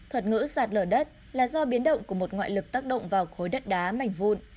thuật ngữ sạt lở đất là do biến động của một ngoại lực tác động vào khối đất đá mảnh vụn